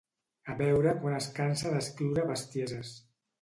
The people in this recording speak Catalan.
A veure quan es cansa d'escriure bestieses.